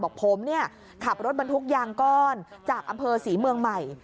บอกผมเนี่ยขับรถบรรทุกยางก้อนจากอำเภอศรีเมืองใหม่